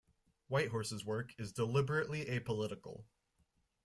Whitehorse's work is deliberately apolitical.